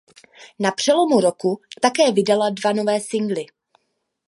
Na přelomu roku také vydala dva nové singly.